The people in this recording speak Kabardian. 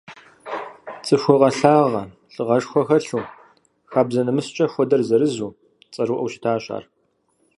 Цӏыхугъэ лъагэ, лӏыгъэшхуэ хэлъу, хабзэ-нэмыскӏэ хуэдэр зырызу, цӏэрыӏуэу щытащ ар.